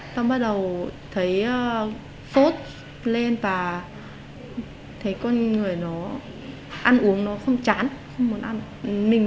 sau đó bắt đầu thấy sốt lên và thấy con người nó ăn uống nó không chán không muốn ăn